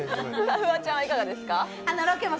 フワちゃん、いかがですか？